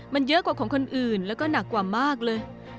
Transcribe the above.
มันเยอะกว่าของคนอื่นแล้วก็หนักกว่ามากเลย